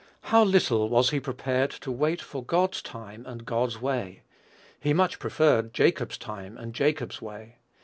How little was he prepared to wait for God's time and God's way! He much preferred Jacob's time and Jacob's way.